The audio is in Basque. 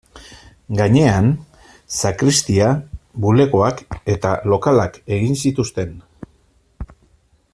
Gainean, sakristia, bulegoak eta lokalak egin zituzten.